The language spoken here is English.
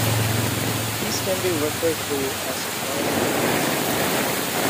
These can be referred to as brine ponds.